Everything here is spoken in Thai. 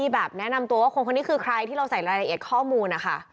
แบบแนะนำตัวว่าคนคนนี้คือใครที่เราใส่รายละเอียดข้อมูลนะคะ